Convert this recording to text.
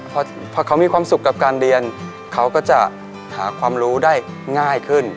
พอเขามีความสุขกับการเรียนเขาก็จะหาความรู้ได้ง่ายขึ้น